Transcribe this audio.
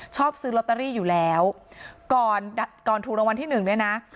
ชอบซื้อล็อตเตอรี่อยู่แล้วก่อนถูกรวรรณที่๑เนี่ยนะ